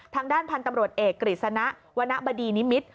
ทางด้านพันธุ์ตำรวจเอกกฤษณะวรรณบดีนิมิตร